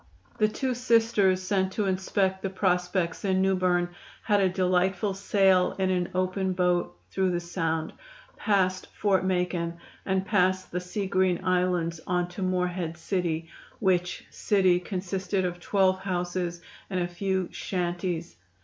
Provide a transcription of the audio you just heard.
The two Sisters sent to inspect the prospects in Newberne had a delightful sail in an open boat through the sound, past Fort Macon and past the sea green islands on to Moorhead City, which "city" consisted of twelve houses and a few "shanties."